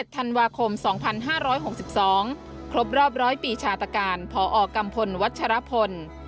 ธันวาคม๒๕๖๒ครบรอบ๑๐๐ปีชาตการพอกัมพลวัชรพล